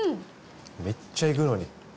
めっちゃ行くのに。